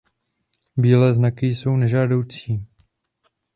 Bílé znaky jsou nežádoucí.